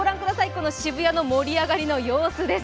この渋谷の盛り上がりの様子です。